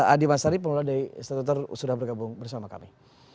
adi masyari pengelola dki stadut ter sudah bergabung bersama kami